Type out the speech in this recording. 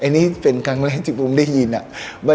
อันนี้เป็นครั้งแรกที่ผมได้ยิน